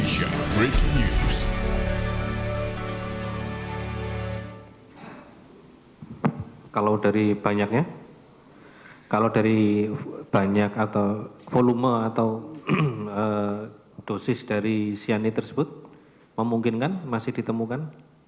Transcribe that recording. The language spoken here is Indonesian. kalau dari banyaknya kalau dari banyak atau volume atau dosis dari cyani tersebut memungkinkan masih ditemukan